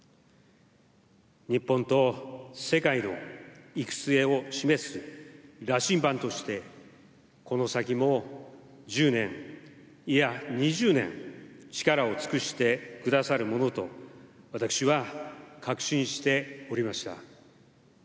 日本と世界の行く末を示す羅針盤として、この先も１０年、いや２０年、力を尽くしてくださるものと、私は確信しておりました。